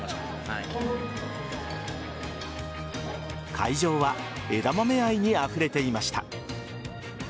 会場は枝豆愛にあふれていました。